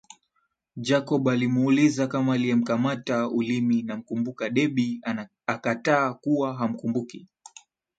Jacob alimuuliza kama aliyemkata ulimi namkumbuka Debby akakataa kuwa hamkumbuki